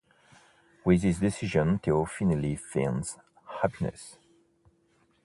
With this decision Theo finally finds happiness.